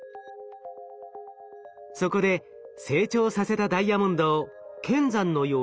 そこで成長させたダイヤモンドを剣山のように極細の柱に加工。